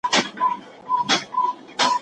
دلته هره ورځ د بېوزلو خلګو سره مرسته کېږي.